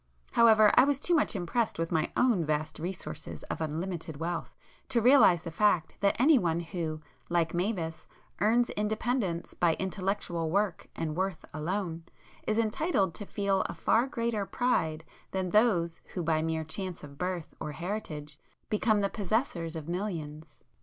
However I was too much impressed with my own vast resources of unlimited wealth, to realize the fact that anyone who, like Mavis, earns independence by intellectual work and worth alone, is entitled to feel a far greater pride than those who by mere chance of birth or heritage become the possessors of millions.